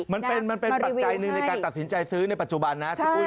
มันเป็นปัจจัยหนึ่งในการตัดสินใจซื้อในปัจจุบันนะพี่ปุ้ย